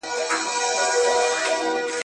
که سياست پېژنی بايد د قدرت پر لېږد پوه سئ.